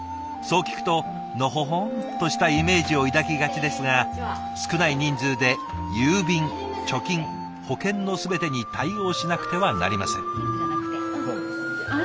そう聞くとのほほんとしたイメージを抱きがちですが少ない人数で郵便貯金保険の全てに対応しなくてはなりません。